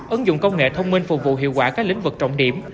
ứng dụng công nghệ thông minh phục vụ hiệu quả các lĩnh vực trọng điểm